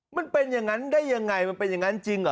มันเป็นอย่างนั้นได้ยังไงมันเป็นอย่างนั้นจริงเหรอ